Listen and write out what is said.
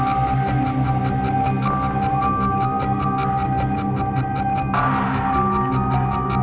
ก็มีทั้งกรณีของที่เราได้ประกาศไปว่าที่เราก็ค้นเจอวันนี้